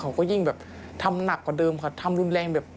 เขาก็ยิ่งแบบทำหนักกว่าเดิมค่ะทำรุนแรงแบบ